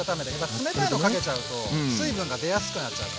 冷たいのかけちゃうと水分が出やすくなっちゃうから。